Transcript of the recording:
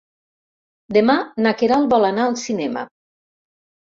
Demà na Queralt vol anar al cinema.